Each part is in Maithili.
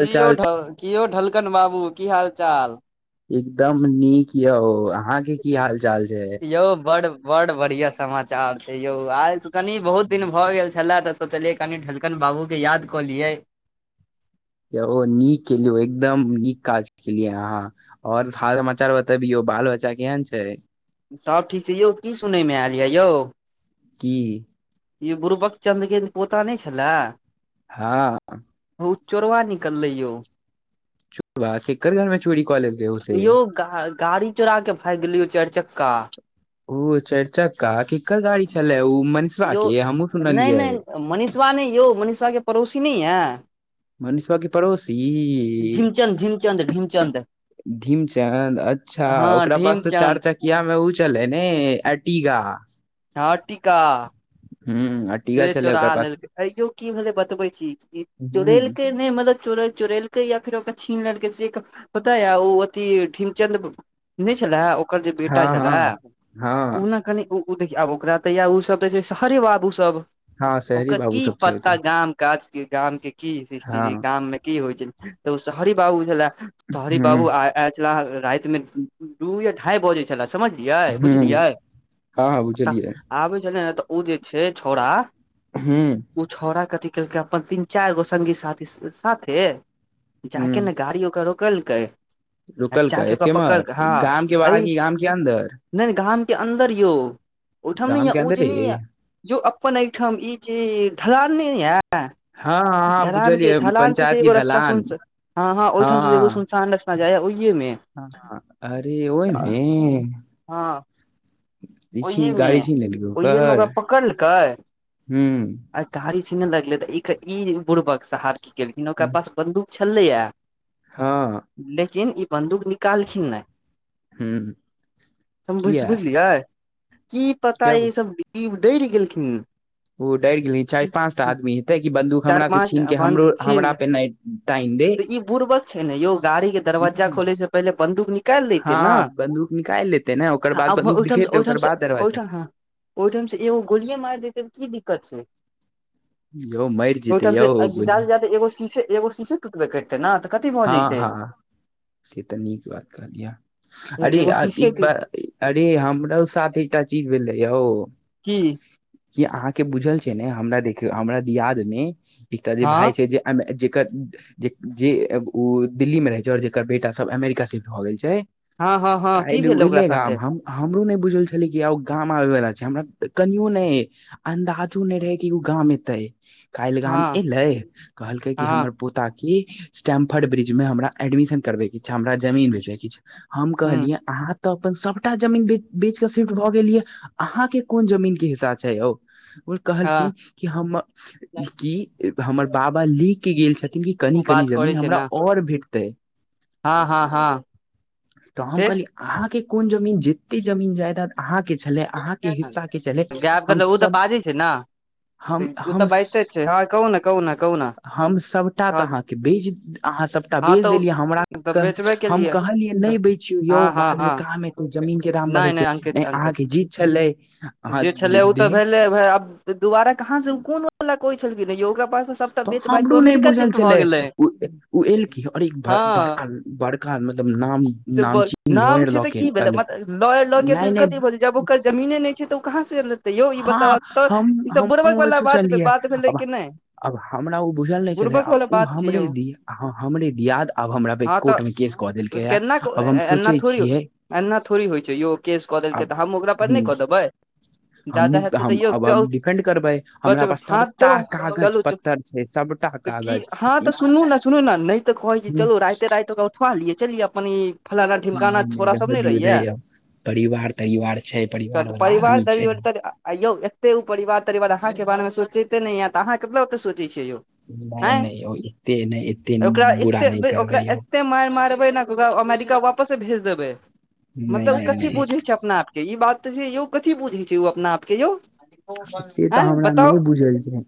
हाल कियौ चाल कियो ढलकन बाबू की हाल चाल एकदम नीक यऽ ओ अहाँके की हाल चाल छै ओ बड्ड बड्ड बढ़ियाँ समाचार छै यौ आइ कनि बहुत दिन भए गेल छल तऽ सोचलियै कनि ढलकन बाबू के याद कऽ लिये यौ ओ नीक केलिय ओ एकदम नीक काज केलियै अहाँ आओर हाल समाचार बतेबियौ बाल बच्चा केहन छै सब ठीक छै यौ की सुनैमे आयल यऽ यौ की ई बुरबक चन्द्र के पोता नहि छलै हँ ओ चोरबा निकललै यौ चोरबा केकर घरमे चोरी कऽ लेलकै उ से यौ गाड़ी चोरा के भागि गेलियौ चारि चक्का ओ चारिचक्का केकर गाड़ी छले ओ मनिसबा के हमहुँ सुनलियै मनीषबा नहि यौ मनीषवा के पड़ोसी नहि यै मनीषबा के पड़ोसी ढिमचंद ढिमचंद ढिमचंद धीमचंद अच्छा हँ ओकरा पास तऽ चार ढिमचंद चक कमे ओ चलै ने अटिगा नाटिका हूंम्म से चोरा लेलकै अयो की भेलै बतबै छी ह चोरेल के नहि मतलब चो चोर या फेर ओकरा छीन लेलकै से पता या ओ अथी ढीमचंद नहि छले ओकर जे बेटा हँ छलै हँ हँ ओ ने कनि ओ देखिय आब ओकरा तऽ य ओ सब जे छै शहरे बाबू सब हँ शहरी ओकर बाबू की सब छै ओतऽ पत्ता गाम काजके गाम के की स्थित हँ गाम मे की होइ छल तऽ ओ शहरी बाबू छलै सरी हूँ बाबू आ छल राति मे दू या ढाई बजे समझलिय बुझलियै हूँ हँ हँ तऽ बुझलियै आबै छै ने तऽ ओ जे छै छौड़ा हूंम्म ओ छौड़ा कथी केलकै अपन तीन चारगो संगी साथी साथे जाके ने गाड़ी ओकर रोकलकै आ रोकलकै जाके एक ओकरा केम्हर पकड़के हँ गाम के बाहर अय की गाम के अन्दर नहि घाम के अन्दर यौ ओहिठाम ने गाम के ये जे अन्दरे नै यए जो अपन एहिठाम ई जे ढलान नै यए हँ हँ हँ ढलान के बुझलियै ढलान से पंचायत जे की एगो रस्ता सुन ढलान हँ हँ ओहिठाम से जे एगो सुनसान रस्ता टना जाइए ओहिएमे हँ अरे ओहिमे ई छी ओहिमे गाड़ी छीन लेलकै ओहियेमे ओकरा ओकर पकड़लकै हूँ आ गाड़ी छीने लगले तऽ ई बुर्बक साहब की केलखिन ओकरा पास बंन्दूक छलैये हँ लेकिन ई बन्दूक निकालखिन नहि हूँ समुझ किया बुझलियै की पता जब ई सब डिप डैर गेलखिन ओ डैर गेलै चार पाँचटा आदमीेते की बन्दूक चार हमरा से पाँच छीन टा के बन्द हमरो हमरा छिल पे नहि तानि दे तऽ ई बुर्बक छै ने यौ गाड़ी के दरवजा हूँ खोले से पहिले बंन्दूक नि हँ बन्दूक निकालि लेते ने ओकर बाद बन्दूक दिखेते ठाम ओकर बाद दरवाजा ओहिठाम ह ओहिठाम से एगो गोलि मारि देते त की दिक्कत छै यौ मरि जेते ओहिठाम यौ से गोली जादे जादे एगो शीश एगो शीशे टूटबे करतै ने तऽ कथि भऽ हँ जतै हँ से तऽ नीक बात कहलिया अरे एगो शीशे एक के बार अरे हमरो साथ एकटा चीज भेलै यौ की कि अहाँके बुझल छै ने हमरा देखियौ हमरा दियाद मे एकटा जे भाय हँ छै जे जेकर जे जे ओ दिल्ली मे रहे छै और जेकर बेटा सब अमेरिका से भए गेल छै हँ हँ हँ की काइल उ भेलै ओकरा एले साथे गाम हम हमरो नहि बुझल छलै कि आ गाम आबे वाला छै हमरा कनियो नहि अन्दाजो नहि रहै कि ओ गाम एतै काइल गाम हँ एले कहलकै की हमर हँ पोता की स्टेम्प फ ब्रिज मे हमरा एडमिशन करबेके छै हमरा जमीन बेचबैके हम हूँ कहलियै अहाँ तऽ अपन सभटा जमीन बेच बेच के सिफ्ट भऽ गेलिय अहाँके कोन जमीन के हिसा छै यौ हँ कहलखिन कि हम कि हमर बाबा लिख के गेल छथि ल कनि ओ कनी बात करै जमीन छै हमरा ने आओर भेटतै हँ हँ हँ तऽ हम फेर कहली अहाँके कोन जमीन जते जमीन जायदाद अहाँ के छलै अहाँके हिस्सा के छले गायब के हम तऽ ओ तऽ सब बाजै छै ने हम ओ तऽ हम बाजिते छै हँ कहू ने कहू ने कहू ने हम सभटा तऽ हँ अहाँके बेज अहाँ अहाँ सबटा बेच तऽ देलियै हमरा तऽ कह बेचबे हम केलियै कहलियै तऽ नहि बैचियौ यौ हँ बादमे काम हेतौ जमीन के दाम बढ़े छै नहि केतन अहाँके जीत छलै अहाँ जे छले ओ तऽ दिल्ली भेलेब दुबारा कहाँ से कोन वा कोइ छलखिन यो ओकरा पास सबटा तऽ बेच बाइच क हमरो नहि अमेरिका बुझल शिफ्ट भए छलै गेलै ओ एलखिन आओर एक हँ बड़का बड़का मतलब नाम नामचीन नाम लॉयर छै लऽ तऽ के की एलै भेललॉय ल नहि के कथि नहि भ जेते जमीने नहि छै तऽ ओ कहाँ से तऽ यौ ई हँ बता त हम ईसभ बुुरबक हमहुँ वालला बात सोचलियै बात भेलै आब कि नहि आब हमरा ओ बुझल नहि छले बुड़बक आब वाला ओ बात छै हमरे यौ दी हमरे दिियाद आब हमरा पर हँ कोर्ट मे केस कऽ देलकै ये केना आब हम एना सोचै थोड़ छियै एना थोड़ी होइ छै यौ केस कऽ देलकै आब तऽ हमहु ओकरा पर ह नहि कऽ देबै जदा हमहूँ हेतै तऽ हम यौ आब च हम डिफेंड करबै बच हमरा पास हँ च सभटा चौ कागज चलू त पत्तर छै सभटा की कागज हँ ई तऽ सुनू ने सुनू ने नहि तऽ कहै छै चलो राते राते क ओ उठबा लिये चलिये अपन ई फलाना ढमकाना नहि नहि छोरा सब रहऽ ने दियौ रहिये नहि अब परिवार तरिवार छै परिवार वला आदमी छै आ यौ एते ओ परिवार तरिवार अहाँके बारे मे सोचैते नहि ययत अहाँ केतब ओते सोचै छियै यौ नहि ह्य नहि यौ एते नहि एते ओकरा बुरा नहि एते ओकरा करबै यौ एते मार मारबै ने ओकरा अमेरिका वापसे भेज देबै नहि मतलब ओ नहि कथी नहि बुझै छै अपना आप ई बात तऽ छै यौ कथी बुझै छै ओ अपना आप के यौ से तऽ आँय हमरा नहि बताउ बुझल छै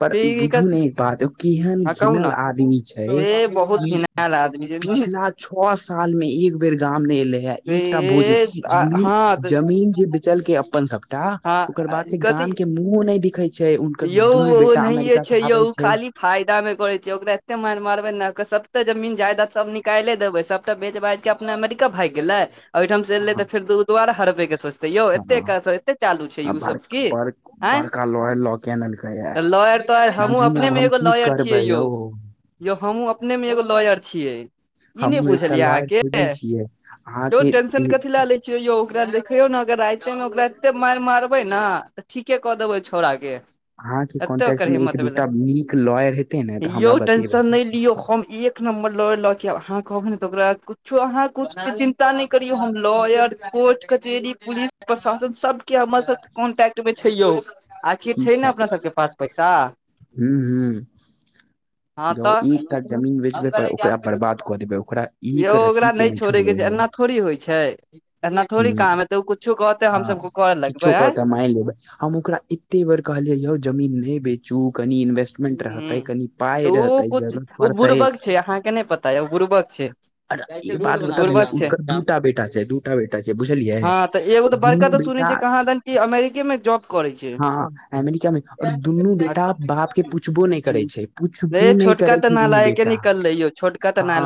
पर बुझू ने एक बात केहन हँ कहू घिनल ने आदमी छै से कि बहुत घिनायल आदमी छै पिछला छओ साल मे एक बेर गाम नहि एलै है एकटा भोजन जमीन जम हँ जमीन जे बिचलके अपन सबटा हँ ओकर बाद से कथी गाम के मुँहों न दिखे छै उुनकर यौ दुनू बेटा ओनाहिये अमेरिका छै से यौ आबे छै खाली फायदा मे करे छै ओकरा एते मारि मारबे ने सबे जमीन जायदा सब नि की काल्हे देबै सबटा बेच बाच कऽ अपना अमेरिका भागि गेले, एतऽ से एले तऽ हँ फेर दऽ दुबार होबयके? तऽ यौ, हँ एतेक एतेक चालू छै। ओ बड़ सभ की बड़ आँ? बड़का लॉयर लऽ के अनलकै हे लॉयर तऽ हमहूँ बुझू ने आब अपनेमे हम एगो की लॉयर छियै करबै यौ। यौ हमहुँ अपने मे एगो लॉयर छियै ई नहि हमहुँ एकटा बुझलियै लॉयर अहाँके खोजै छियै बहुत अहाँके टेंशन कथी ल देख यौ, ओकरा देखैयौ ने, अगर रातिमे ओकरा एते मारबै ने। ठीके कऽ देबै छौड़ाके। अहाँके एते कॉन्टेक्ट ओकर मे एक हिम्मत भेले दूटा नीक लॉयर हेतै ने तऽ हमरा यौ बतेबै टेंशन नहि लियौ हम एक एक नम्बर लॉयर लऽ के आब अहाँ कहबै ने तऽ ओकरा कछो अहाँ कछ चिन्ता नहि करियौ हम लॉयर कोर्ट कचेरी पुलिस प्रशासन सभके हमर सभके कॉन्टैक्ट मे छै यौ। आखिर छै ने अपना सभके पास पैसा हूं हूं हँ यौ तऽ एकटा जमीन बेचबै पर ओकरा बर्बाद कऽ देबै ओकरा यौ एक ओकरा रत्ती के नहि छोड़ेके छै। एना थोड़ी होइ छै। एना थोड़ी ह काम हेतै ओ कुछो कहते हम हँ सबके करऽ किछु लगबै आँय कहत माय लेबै। हम ओकरा एते बेर कहलियै यौ जमीन नहि बेचू कनि इन्वेस्ट मेंट रहतै हूं कनि पाय रहतै जरूरत पड़तै आहा के नहि पता आए गुरुपाग छै अ एक बात बतबिये बुड़बक छै उनकर दूटा बेटा छै। दूटा बेटा छै। बुझलियै हँ तऽ एगो तो बड़का दुनू तऽ सुनै बेटा छै। कहाँ दन अमेरिके में जॉब करे छै हँ अमेरिकामे दुनू बेटा बाप के पुछबो नहि करै छै। पुछबो रे नहि छोटका करै तऽ छै। दुनू नालायके बेटा हँ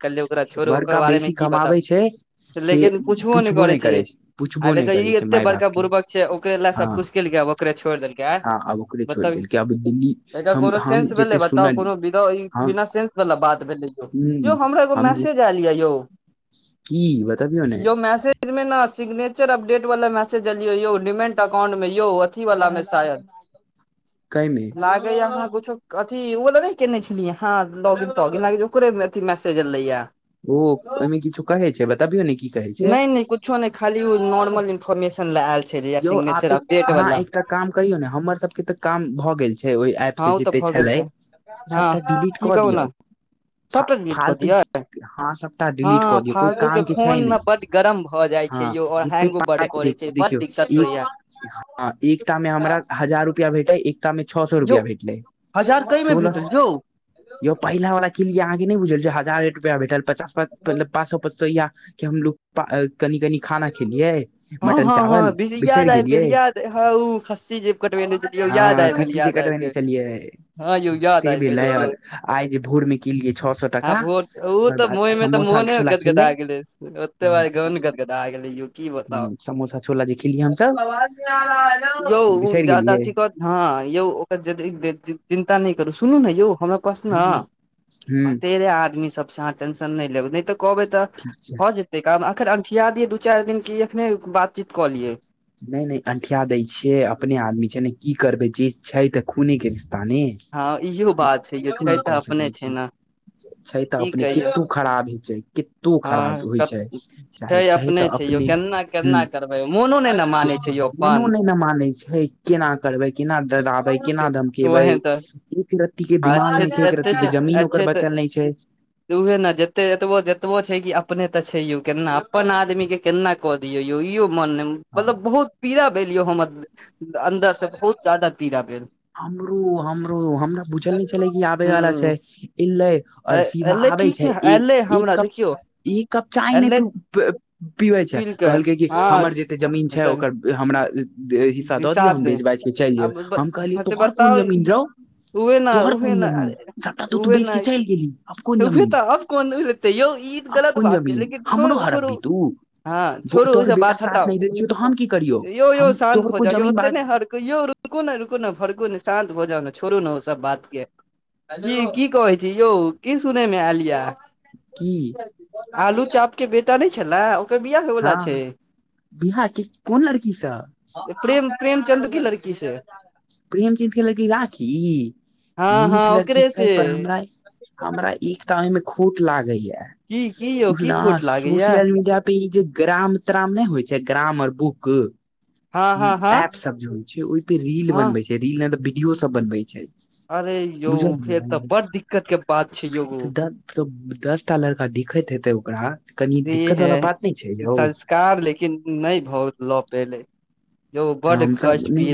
कि ओकरा छोड़ ओकर बड़का बारेमे बेसी की पता कमाबै छै से लेकिन पुछबो नहि करै छै। आ पुछबो नहि देखिय करै ई छै एते माय बाप बड़का के बुर्बक छै। ओकरे लए हँ सभकुछु केलकै ओकरे छोड़ि देलक बतबी क्य ब दली एकर कोनो सेंस भेलै बता कोनो हम बिना सेन्स वाला बात भेले यौ यौ ह हमरा हम जे मैसेज आयल यऽ यौ की बतबियौ ने यौ मैसेज मेना, सिग्नेचर अपडेट वाला मैसेज एलियौ यौ, डिमेन्ट अकाउंटमे यौ, अथीवला मे शायद। कम लागैए, अहाँ किछु अथी ओ लग नहि केने छलियै हँ? लॉगिन तऽ लगैए, ओकरे अथी मैसेज एले यऽ। ओ ओहिमे किछु कहै छै। बताबियौ ने कि नहि नहि, किछु नहि, खाली ओ नॉर्मल इन्फॉर्मेशन लऽ आयल छलै, यौ आप सिग्नेचर अपडेट अहाँ वाला। एकटा काम करियौ ने हमर सभके तऽ काम भऽ गेल छै। ओहि एप हँ से ओ तऽ जते भऽ गेल छलै छै हँ सभटा डिलीट की कऽ कहू ने दियऔ। फ सबटा डिलीट कऽ फालतू दियै हँ सभटा हँ डिलीट कऽ दियौ कोइ फालतू काम के छै फोन नहि ने बड गरम भऽ जाइ छै हँ यौ और जतेक हैंगो बड पाय करे छै बड देखियौ दिक्कत एक होइया ह एकटा मे हमरा हजार रुपआ भेटै एक एकटा छ सए यौ रुपआ भेटल हजार कई मे सुलस भेटल यौ यो पहिला वाला की अहाँ के नहि बुझल जे हजार रुपआ भेटल पचास पास मतलब पासो पो या कि? हमलोग कनि कनि खाना खेलियै, हँ मटन हँ हँ चावल। बीस बिसरि याद आबि गेल गेलियै याद हँ ओ खस्सी जे कटबेने छलियै याद हँ आबि गेल खस्सी जे याद आबि कटबेने गेल छलियै। हँ यौ याद से आबि गेलै भेलै आओर आइ जे भोरमे किनलियै, छओ सए। टका हो, ओ ओकर तऽ बाद महिँ तऽ समोसा मोने छोला खेलै गदगदा गेले, ओते बार गदगदा गेले। समोसा छोला जे ख जदा बिसरि गेलियै कह हँ यौ, ओकर चिन्ता नहि करू, सुनू ने यौ हमर कऽ ने। ह ह भते रे, आदमीसब, अहाँ टेंशन नहि लेबै, नहि तऽ कहबै तऽ ठीक छै भऽ जेतै। तऽ कऽ अखन अनठिया दियै दू चारि दिन, की एखने बातचीत कऽ लिअ? नहि नहि अंठिया दै छियै अपने आदमी छै ने की करबै जे छै तऽ खूने के रिश्ता ने हँ इहो बात छै य किछु छै नहि तऽ कऽ अपने सकै छै छी ने छै तऽ की अपने कहियौ कित्तू खराब ही छै क तो खराब होइ हँ छै चाहे छै चाहे तऽ छै यौ अपने केना हँ केना करबै मोनो नहि ने मानै छै यौ मनो अपन नहि ने मानै छै केना करबै केना डराबै केना के- धमक के भै उएह तऽ एक रत्ती के आ दिमाग अच्छे नहि छै एक एते रत्ती के जमीन ओकर अच्छे तऽ बचल नहि छै उहे ने जेतेक जेत कतबो छै कि अपने ते छै यौ केना अपन आदमी के केना कऽ दियऔ य इो मन हँ मतलब बहुत पीड़ा भेल यो हम अंन्दर से बहुत जादा पीड़ा भेल हमरो हमरो हमरा बुझल नहि छले कि आबे वाला छै हूँ एलै आओर सीधा एलै आबै ठीक छै एक एलै एक हमरा कप देखियौ ई कप चाय नहि एलै पी पीबै छै पील के कहलकै कि हँ हमर जते जमीन छै जब ओकर हमरा हिस्सा दऽ दियऽ हिसाब हम दे बेच बाजि कऽ चलि आब लेब हम कहलियै ब- तोहर कोन बताउ जमीन रहौ उहे न उहे न तू उहे बेच के नहि चलि गेली आब कोन उहे जमीन तऽ आब कोन तऽ यौ ई आब गलत कोन बात छै जमीन लेकिन हमरो छोड़ू छोड़ू हड़ब्बी तू हँ छोड़ू तोहर ओहिसँ बेटा बात साथ हटाउ नहि दै छियौ तऽ हम की करियौ यो यो हम शान्त तोहर हो कोइ जा य जमीन होते बात ने ड़कु यौ रुकू ने रुकु ने भड़कु ने शान्त भऽ जाउ ने छोड़ू ने ओ सब बात के जी की कहै छी यौ की सुनैमे आलिया की आलू चाप के बेटा नहि छलए हँ बियाह के कोन लड़की सब प्रेम प्रेमचंन्द्र की लड़की से प्रेमचंद के लड़की राखी हँ हँ नीक लड़की ओकरे छै से पर हमरा हमरा एकता ओहिमे खोट लागै की की यौ की या खोट लागैया सोशियल मीडिया पर पेज ग्राम त्राम नहि होइ छै ग्रामर बुक हँ ओहि हँ हँ एप सब जे होइ छै ओहिपे रील हँ बनबै छै रील मे तऽ वीडियो सब बनबै छै अरे यौ फेर तऽ बुझलियै बड़ दिक्कत के बात छै यौ तो दसटा लड़का दिखैत हेते ओकरा कनि जी दिक्कत वाला बात नहि छै है यौ संस्कार लेकिन नहि भहु लऽ पले हँ हम न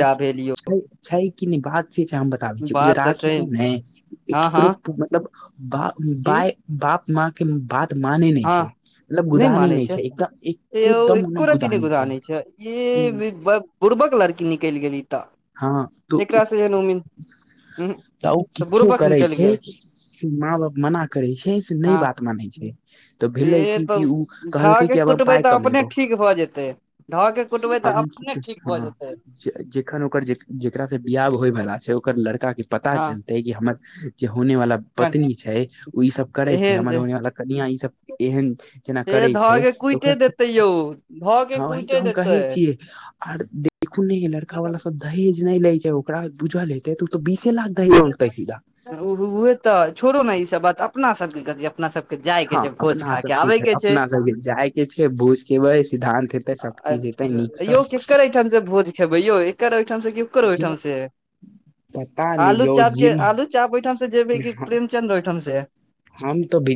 छै छै की नहि बात से छै हम बताबै छी ओ जे बात तऽ राखी सही छै ने हँ केकरो हँ मतलब ब की बाय बाप माँ के बात माने नहि हँ छै मतलब गुदाने नहि छै एकदम एकोदम नहि गुदाने छै ये बुड़बक लड़की निकलि गेली तऽ हँ तऽ एकरा से जेहन उम्मीद उहूं तऽ उ किछु बुड़बक करै निकलि छै गेल से माँ बाप मना करै छै से नहि हँ बात मानै छै तऽ भेलै से कि की तऽ ओ धऽ कहलकै के कि आब हम कुटबै पाय तऽ अपने कमेबौ ठीक भऽ जेतै धऽ के कुटबै आब तऽ हम की अपने कऽ ठीक सक भऽ जेतै हँ जखन ओकर जेकरा से बियाह होय वाला छै ओकर लड़का के पता हँ चलते हमर जे होने वाला पत्नी छै ओ ई सब करे छै एहन हमर जे होने वाला कनिया ई सब एहन जेना से करै धऽ छै के तऽ ओकरा कुइटे देतै केते यौ धऽ के ह कुइटे काम कहै देतै छियै आर देखू ने लड़का वला सब दहेज नहि ले छै ओकरा बुझल हेते तऽ ओ तऽ बीसे लाख दहेज मांगतै सीधा रुपैये तऽ छोड़ो ने ईसभ बात अपना सबके कथी अपना सबके जाय के हँ छै भोज अपना खा सब के की आबे के छै अपना सबके जाय के छै बूझ केै सिद्धान्त है छ यौ केकर एहिहिठाम से भोज खेबै यौ एकर ओहिठाम से केकर ओहिठाम से पता नहि आलू यौ चाप के जिम आलू चाप ओहिठाम से जेबे की प्रेमचंद्र ओहिठाम से हम तऽ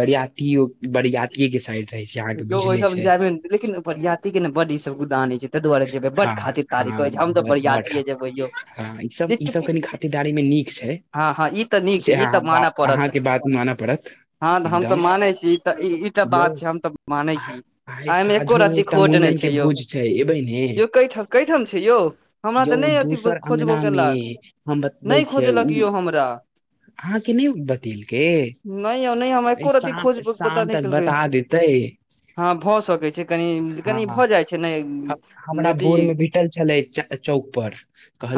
बरियातो बरियाते के साइड रहे छी अहाँके यौ भुझले ओहिठाम छै जायबे लेकिन बड़ियाति के ने बड्ड ई सब गुदानै छै ताहि दुआरे जेबै बड हँ खातिर तारीख हँ होइ छै हम तऽ बड़ बरिियात खा जेबै यौ हँ ई सब त ई सब चूकी कनि खातिरदारी मे नीक छै हँ हँ ई तऽ नीक छै से ई तऽ अहाँ बा मानय पड़त अहाँके बात मानऽ पड़त हँ तऽ हम तऽ एकदम मानै छी ई तऽ ईटा यौ बात छै हम तऽ मानै छी आइ आ एहिमे एक्को साँझो मे र्ती एकटा खोट मुंडन नहि के छै यौ भोज छै एबै ने केठ कैठाम छै यौ हमरा यौ तऽ नहि अथि दोसर खोजबो अंगना मे केलक हम बतबै नहि छियै खोजलक उ यौ हमरा अहाँके नहि बतेलकेै नहि यौ नहि हमरा अय एको रती शाम खोज पता शाम नहि तक केलकै बता देतै हँ भऽ सकै छै कनि हँ कनि भऽ जाइ छै ने हमरा अथी भोर मे भेटल छलै च- चौक पर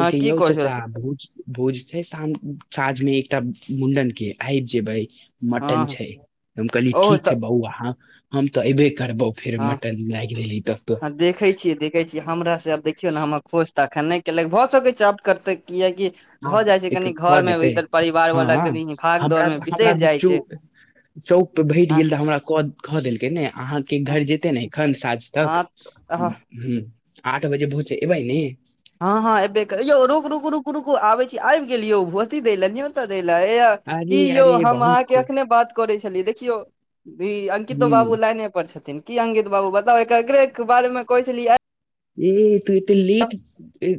हँ की यौ कहै छै चाचा भोज भोज छै शाम साँझ मे एकटा मुं्डन के आबि जेबै मटन हँ छै हम कहलिय ओ ठीक छै तऽ बौआ हम तऽ ऐबे करबौ फेर हँ मटन लागि गेलेली ततऽ हँ देखै छियै देख कहै छी हमरा से आब देखियौ ने हमर खोज तऽ अखन नहि केलक भऽ सक छै आब करते कियकि हँ भऽ जाइ छै कनि कऽ घरमे देतै इधर हँ परिवारवालला कनि भाग दौड़मे बिसरि जाइ छै चौकपर भेट हँ गेल तऽ हमरा कह कह देलकै ने अहाँ के हँ घर जेतै ने एखन साँझ तक हँ ह आठ बजे भहुत एबै ने हँ हँ एबे करै यौ रुक रुक रुक रकू आबै छी आब गेलियौ नियोती दै लौ तऽ दै ल एया कि अरे यौ अरे हम बहुत अहाँके खूब अखने बात करै छली देखियौ भी अंकितो ह बाबू लाइने पर छथिन की अंकित बाबू बताउ एक एके के बारे मे कहे छलियै ए तू ए तऽ लेट ए